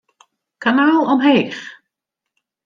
Kanaal omheech.